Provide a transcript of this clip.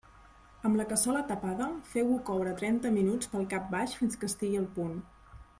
Amb la cassola tapada, feu-ho coure trenta minuts pel cap baix fins que estigui al punt.